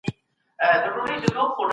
فارابي اخلاقي مکتب ته وده ورکړه.